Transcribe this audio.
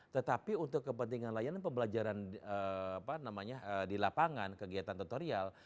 tetapi untuk kepentingan layanan pembelajaran di lapangan kegiatan tutorial